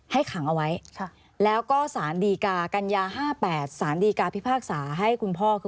ขังเอาไว้แล้วก็สารดีกากัญญา๕๘สารดีกาพิพากษาให้คุณพ่อคือ